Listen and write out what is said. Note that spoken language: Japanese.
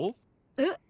えっ？